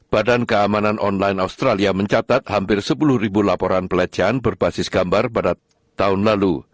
badan keamanan online australia mencatat hampir sepuluh ribu laporan pelecehan berbasis gambar pada tahun lalu